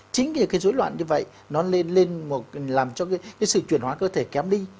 chính những cái dối loạn như vậy nó làm cho sự chuyển hóa cơ thể kém đi